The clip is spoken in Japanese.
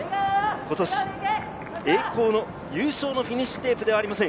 今年、栄光の優勝のフィニッシュテープではありません。